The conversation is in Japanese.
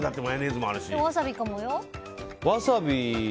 でもワサビかもよ。